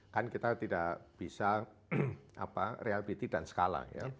kan kita tidak bisa reliability dan skala